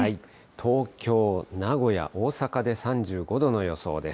東京、名古屋、大阪で３５度の予想です。